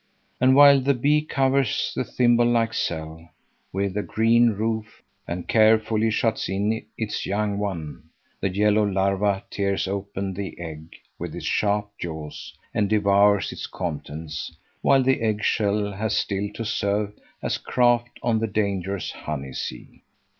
And while the bee covers the thimble like cell with a green roof and carefully shuts in its young one, the yellow larva tears open the egg with its sharp jaws and devours its contents, while the egg shell has still to serve as craft on the dangerous honey sea.